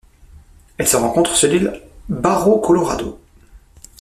Elle se rencontre sur l'île Barro Colorado.